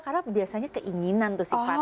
karena biasanya keinginan itu sifatnya